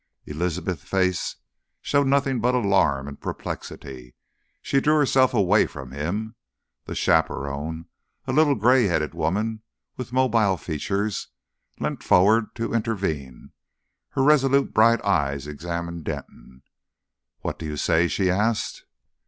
Elizabeth's face showed nothing but alarm and perplexity. She drew herself away from him. The chaperone, a little grey headed woman with mobile features, leant forward to intervene. Her resolute bright eyes examined Denton. "What do you say?" she asked.